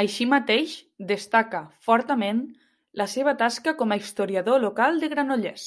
Així mateix, destaca fortament la seva tasca com a historiador local de Granollers.